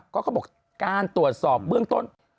ก็เขาบอกการตรวจสอบเบื้องต้น